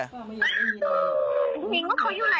หญิงว่าเขาอยู่ไหนทำอะไร